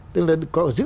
tức là có giữ